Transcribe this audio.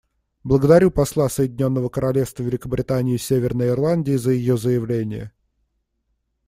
Благодарю посла Соединенного Королевства Великобритании и Северной Ирландии за ее заявление.